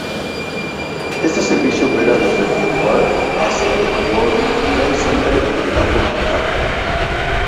Este servicio opera desde Newark hacia el World Trade Center en el Bajo Manhattan.